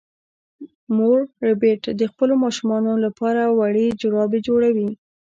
مور ربیټ د خپلو ماشومانو لپاره وړې جرابې جوړولې